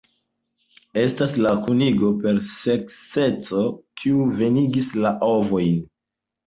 Estas la kunigo per sekseco kiu venigis la ovojn.